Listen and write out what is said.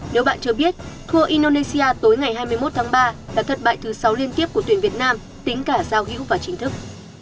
nếu bạn chưa biết thua indonesia tối ngày hai mươi một tháng ba là thất bại thứ sáu liên tiếp của tuyển việt nam tính cả giao hữu và chính thức